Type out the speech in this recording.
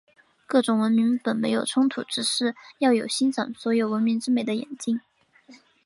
各种文明本没有冲突，只是要有欣赏所有文明之美的眼睛。